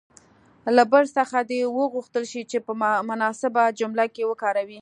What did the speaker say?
له بل څخه دې وغوښتل شي چې په مناسبه جمله کې وکاروي.